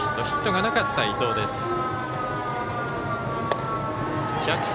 ヒットがなかった伊藤です。